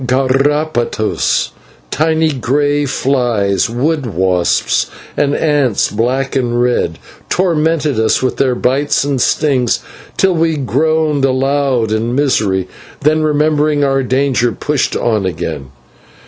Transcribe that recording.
/Garrapatas/, tiny grey flies, wood wasps, and ants black and red, tormented us with their bites and stings till we groaned aloud in misery, then, remembering our danger, pushed on again.